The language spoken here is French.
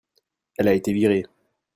elle a été virée.